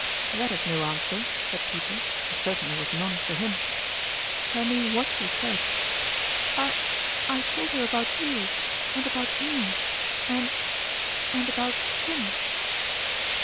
" That is no answer," said Peter (it certainly was none for him). " Tell me what you said ?"" I I told her about you, and about me ... and and about him